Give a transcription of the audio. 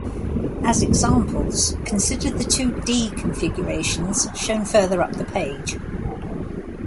As examples, consider the two "d" configurations shown further up the page.